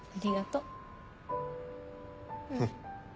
うん。